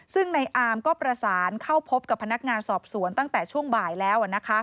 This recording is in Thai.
ซึ่งในอาร์มก็ประสานเข้าพบกับพนักงานสอบสวนตั้งแต่ช่วงบ่ายแล้ว